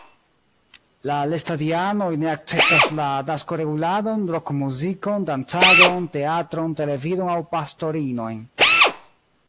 La lestadianoj ne akceptas la naskoreguladon, rok-muzikon, dancadon, teatron, televidon aŭ pastorinojn.